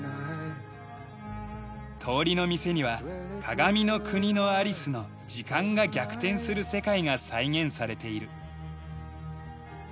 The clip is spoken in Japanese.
通りの店には『鏡の国のアリス』の時間が逆転する世界が再現されている。